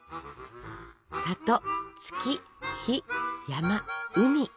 「里」「月」「日」「山」「海」